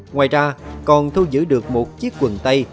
ngoài ra còn thu giữ được một chiếc quần tay